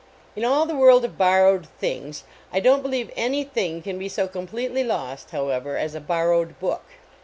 In all the world of borrowed things I don t believe any thing can be so completely lost, however, as a borrowed book.